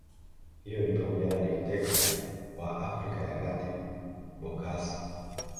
Hiyo nipamoja na dikteta wa Afrika ya Kati Bokassa